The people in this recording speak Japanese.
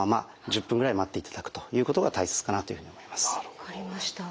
分かりました。